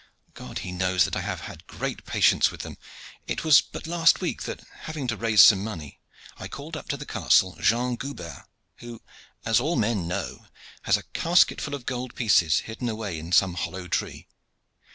God He knows that I have had great patience with them. It was but last week that, having to raise some money, I called up to the castle Jean Goubert, who, as all men know, has a casketful of gold pieces hidden away in some hollow tree.